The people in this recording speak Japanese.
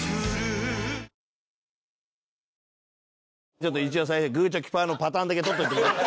ちょっと一応最後グーチョキパーのパターンだけ撮っといてもらって。